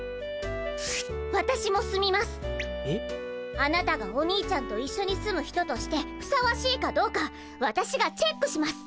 あなたがお兄ちゃんと一緒に住む人としてふさわしいかどうかわたしがチェックします！